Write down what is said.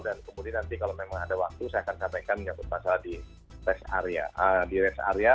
dan kemudian nanti kalau memang ada waktu saya akan sampaikan menyebut masalah di rest area